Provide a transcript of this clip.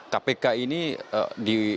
kpk ini di